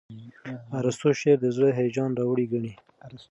ارستو شعر د زړه هیجان راوړي ګڼي.